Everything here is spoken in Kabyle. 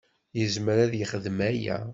Yezmer ad yexdem aya.